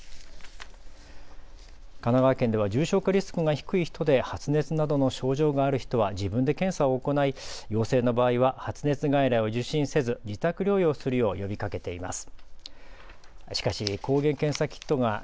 神奈川県では重症化リスクが低い人で発熱などの症状がある人は自分で検査を行い陽性の場合は発熱外来を受診せず自宅療養するよう呼びかけています。